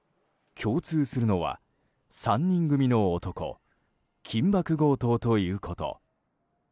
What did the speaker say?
共通するのは３人組の男緊縛強盗ということ。